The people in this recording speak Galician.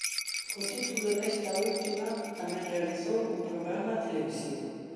Co título desta última tamén realizou un programa televisivo.